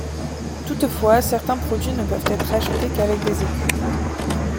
Toutefois certains produits ne peuvent être achetés qu'avec des Écus.